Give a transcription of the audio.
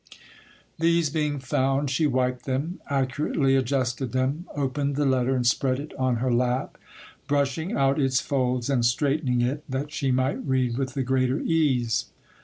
These being found, she wiped them, accurately adjusted them, opened the letter and spread it on her lap, brushing out its folds and straightening it, that she might read with the greater ease.